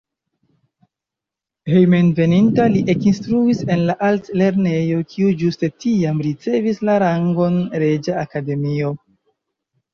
Hejmenveninta li ekinstruis en la altlernejo, kiu ĝuste tiam ricevis la rangon reĝa akademio.